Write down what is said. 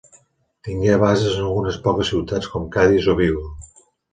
Tingué bases en algunes poques ciutats com Cadis o Vigo.